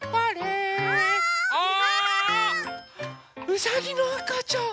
うさぎのあかちゃん！